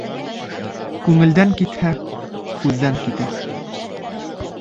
Күңелдән китһә, күҙҙән китә.